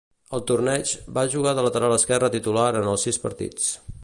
Al torneig, va jugar de lateral esquerre titular en els sis partits.